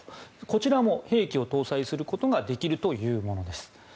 こちらも兵器を搭載することができるというものです。